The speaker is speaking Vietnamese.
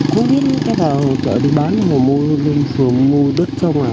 không biết chở đi bán mua lên phường mua đất xong rồi